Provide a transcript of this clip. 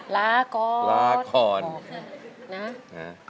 ลาก่อนลาก่อนนะ